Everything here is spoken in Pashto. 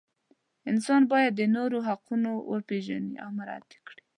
انسان باید د نورو حقونه وپیژني او مراعات کړي.